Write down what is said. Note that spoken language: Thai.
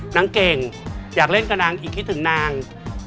นางเก่งอยากเล่นกับนางอีกคิดถึงนาง